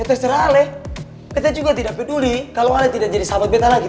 ayo kita juga tidak peduli kalau ale tidak jadi sahabat bete lagi